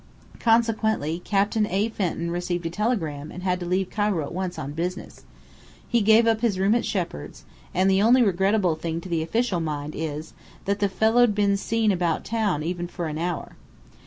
Consequently Captain A. Fenton received a telegram and had to leave Cairo at once on business. He gave up his room at Shepheard's, and the only regrettable thing to the official mind is, that the fellow'd been seen about town even for an hour.